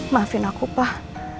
maafin aku pak